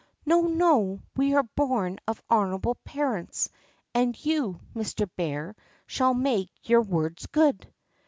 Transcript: "No, no, we are born of honorable parents, and you, Mr. Bear, shall make your words good!"